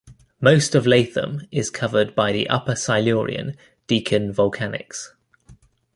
Most of Latham is covered by the upper Silurian Deakin Volcanics.